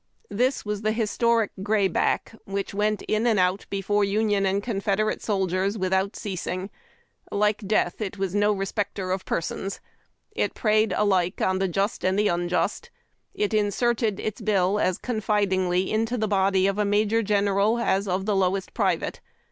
This was the historic "grayback" which went in and out before Union and Confederate soldiers without ceasing. Like death, it was no respecter of persons. It preyed alike on the just and the unjust. It inserted its bill as confidingly into the body of the major general as of the lowest private.